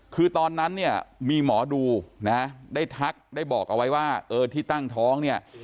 คือตอนนั้นเนี่ยมีหมอดูนะได้ทักได้บอกเอาไว้ว่าเออที่ตั้งท้องเนี่ย